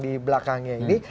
di belakangnya ini